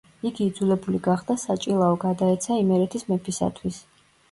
იგი იძულებული გახდა საჭილაო გადაეცა იმერეთის მეფისათვის.